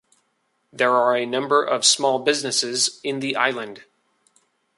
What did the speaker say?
There are a number of small businesses in the island.